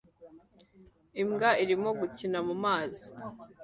Imbwa irimo gukina mu mazi